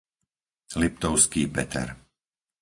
Liptovský Peter